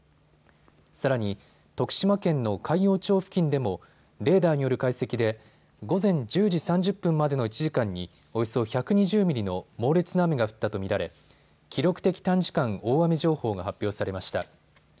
さらに徳島県の海陽町付近でもレーダーによる解析で午前１０時３０分までの１時間におよそ１２０ミリの猛烈な雨が降ったと見られ記録的短時間大雨情報が発表されました。